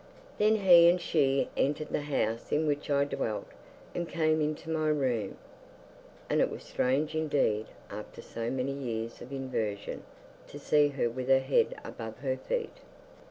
Then he and she entered the house in which I dwelt, and came into my room (and it was strange indeed, after so many years of inversion, to see her with her head above her feet!)